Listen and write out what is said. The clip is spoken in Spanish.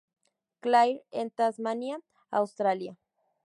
Clair en Tasmania, Australia.